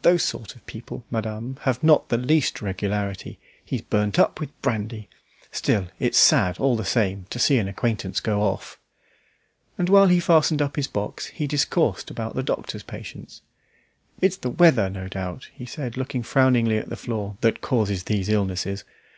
Those sort of people, madame, have not the least regularity; he's burnt up with brandy. Still it's sad, all the same, to see an acquaintance go off." And while he fastened up his box he discoursed about the doctor's patients. "It's the weather, no doubt," he said, looking frowningly at the floor, "that causes these illnesses.